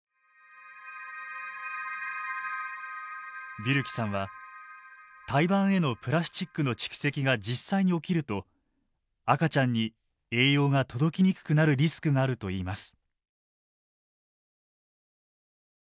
ビュルキさんは胎盤へのプラスチックの蓄積が実際に起きると赤ちゃんに栄養が届きにくくなるリスクがあるといいます。